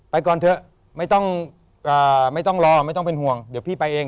ก่อนเถอะไม่ต้องไม่ต้องรอไม่ต้องเป็นห่วงเดี๋ยวพี่ไปเอง